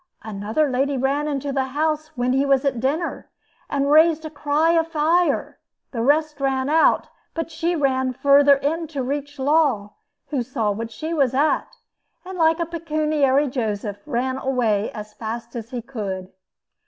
Another lady ran into the house where he was at dinner, and raised a cry of fire. The rest ran out, but she ran further in to reach Law, who saw what she was at, and like a pecuniary Joseph, ran away as fast as he could.